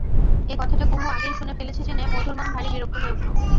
এ কথাটা কুমু আগেই শুনে ফেলেছে জেনে মধুর মন ভারি বিরক্ত হয়ে উঠল।